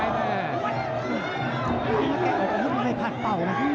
หยุดเหมือนแก้ออกส่วนให้ภาคปัน